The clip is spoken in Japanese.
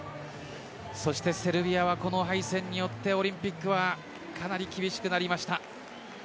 そしてセルビアはこの敗戦によってオリンピックはかなり厳しくなりました。